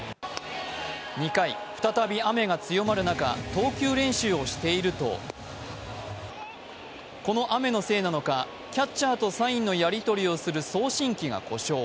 ２回、再び雨が強まる中、投球練習をしているとこの雨のせいなのか、キャッチャーとサインのやり取りをする送信機が故障。